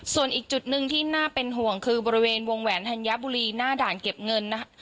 ส่วนอีกจุดหนึ่งที่น่าเป็นห่วงคือบริเวณวงแหวนธัญบุรีหน้าด่านเก็บเงินนะคะ